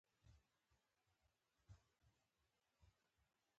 زليخا ترور :ښا ما ويل چې خېرت وي.